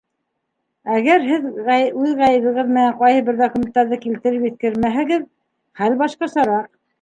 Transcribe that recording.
Әгәр һеҙ үҙ ғәйебегеҙ менән ҡайһы бер документтарҙы килтереп еткермәһәгеҙ, хәл башҡасараҡ.